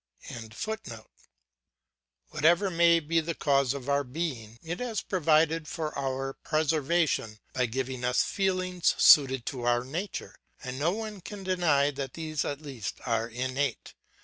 ] Whatever may be the cause of our being, it has provided for our preservation by giving us feelings suited to our nature; and no one can deny that these at least are innate.